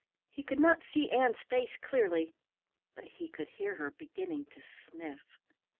He could not see Ann's face clearly, but he could hear her beginning to sniff.